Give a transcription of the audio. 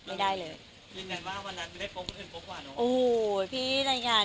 ฟิเตยก็ไม่ชอบหน่อย